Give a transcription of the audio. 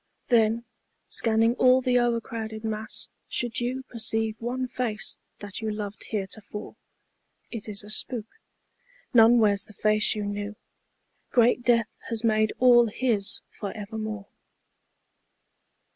Then, scanning all the o'ercrowded mass, should you Perceive one face that you loved heretofore, It is a spook. None wears the face you knew. Great death has made all his for evermore.